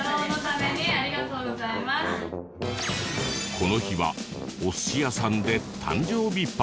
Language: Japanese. この日はお寿司屋さんで誕生日パーティー。